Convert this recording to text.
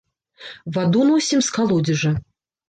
Ваду носім з калодзежа.